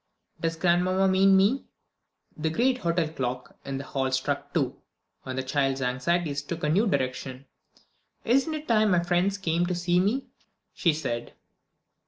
"Does grandmamma mean me?" The great hotel clock in the hall struck two, and the child's anxieties took a new direction. "Isn't it time my little friends came to see me?" she said.